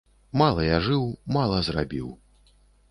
Мала я жыў, мала зрабіў.